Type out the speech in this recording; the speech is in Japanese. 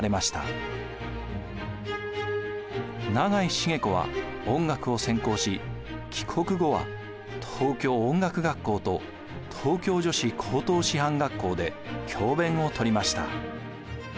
永井繁子は音楽を専攻し帰国後は東京音楽学校と東京女子高等師範学校で教べんをとりました。